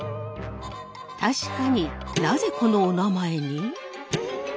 確かになぜこのおなまえに？